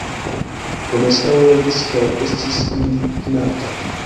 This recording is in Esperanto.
Romeskaŭ legis kaj estis indignata.